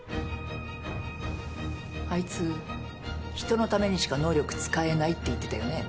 あいつ人のためにしか能力使えないって言ってたよね？